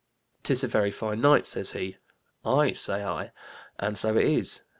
'Tis a very fine night,' says he. 'Aye,' say I, 'and so it is.'